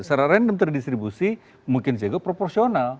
secara random terdistribusi mungkin jago proporsional